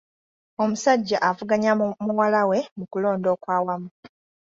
Omusajja avuganya muwala we mu kulonda okwawamu.